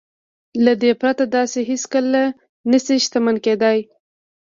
له دې پرته تاسې هېڅکله نه شئ شتمن کېدلای.